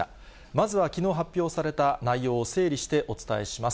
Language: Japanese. まずはきのう発表された内容を整理してお伝えします。